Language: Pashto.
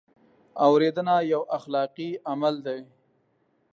اورېدنه یو اخلاقي عمل دی.